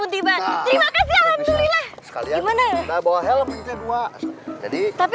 terima kasih allah bawa helm jadi bagus ya